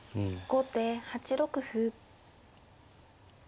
後手８六歩。